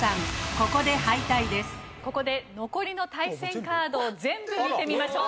ここで残りの対戦カードを全部見てみましょう。